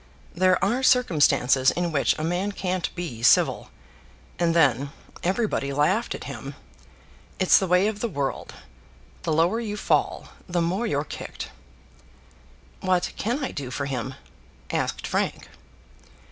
There are circumstances in which a man can't be civil. And then everybody laughed at him! It's the way of the world. The lower you fall, the more you're kicked." "What can I do for him?" asked Frank.